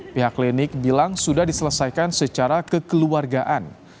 pihak klinik bilang sudah diselesaikan secara kekeluargaan